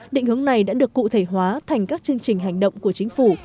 định hướng này đã được cụ thể hóa thành các chương trình hành động của chính phủ